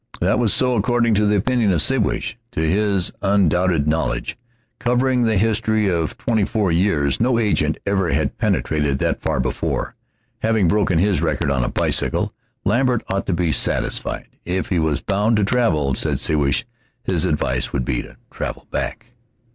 That was so, according to the opinion of Siwash. To his undoubted knowledge, covering the history of twenty four years, no agent ever had penetrated that far before. Having broken this record on a bicycle, Lambert ought to be satisfied. If he was bound to travel, said Siwash, his advice would be to travel back.